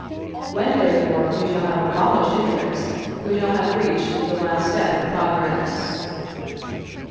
When, therefore, we shall have abolished interest, we shall have reached the last step of progress."